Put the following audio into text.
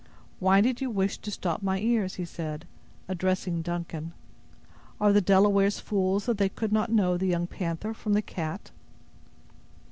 "Why did you wish to stop my ears?" he said, addressing Duncan; "are the Delawares fools that they could not know the young panther from the cat?"